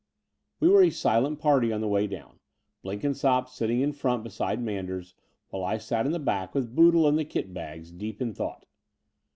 We were a silent party on the way down, Blen kinsopp sitting in front beside Manders, while I sat in the back with Boodle and the kit bags, deep in thought.